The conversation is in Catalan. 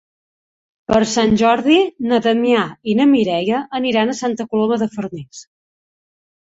Per Sant Jordi na Damià i na Mireia aniran a Santa Coloma de Farners.